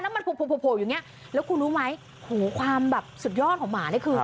มันโผล่อยู่อย่างเงี้ยแล้วคุณรู้ไหมโหความแบบสุดยอดของหมานี่คือ